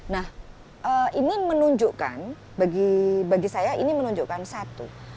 nah ini menunjukkan bagi saya ini menunjukkan satu